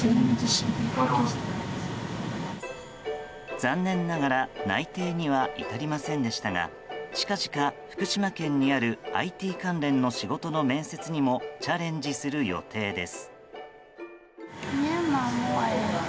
残念ながら内定には至りませんでしたが近々、福島県にあるＩＴ関連の仕事の面接にもチャレンジする予定です。